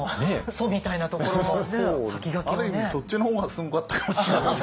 そっちの方がすごかったかもしれないね。